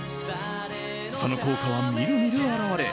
その効果はみるみる表れ